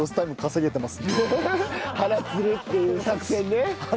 腹つるっていう作戦ね。